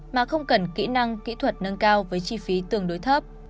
mà không cần kỹ năng kỹ thuật nâng cao với chi phí tương đối thấp